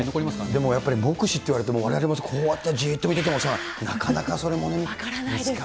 でも目視っていわれても、われわれ、こうやってじっと見ててもさあ、なかなかそれも見つからない。